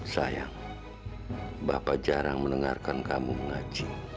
sayang bapak jarang mendengarkan kamu mengaji